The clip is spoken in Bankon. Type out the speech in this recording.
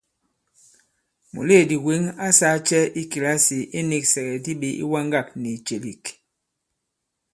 Mùleèdì wěŋ a sāā cɛ i kìlasì iniksɛ̀gɛ̀di ɓě iwaŋgâk nì ìcèlèk ?